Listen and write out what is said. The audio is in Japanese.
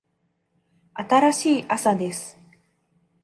新しい朝です。